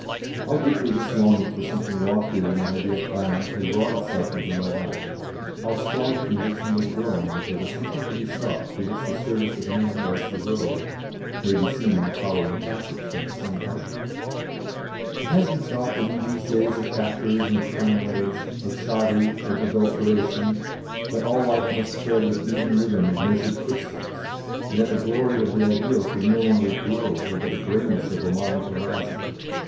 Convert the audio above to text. How deeply this longing for something loftier than I had yet found had wrought itself into my life, how strong the conviction was growing that there was something to be sought to which the service of man was the road, may be seen in the following passage from the same article: "It has been thought that in these days of factories and of tramways, of shoddy, and of adulteration, that all life must tread with even rhythm of measured footsteps, and that the glory of the ideal could no longer glow over the greyness of a modern horizon.